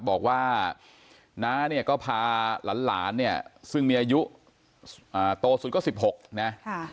บอกว่าน้าเนี่ยก็พาหลานเนี่ยซึ่งมีอายุโตสุดก็๑๖นะ